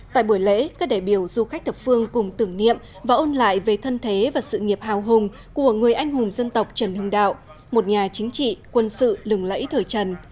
tại buổi lễ các đại biểu du khách thập phương cùng tưởng niệm và ôn lại về thân thế và sự nghiệp hào hùng của người anh hùng dân tộc trần hưng đạo một nhà chính trị quân sự lừng lẫy thời trần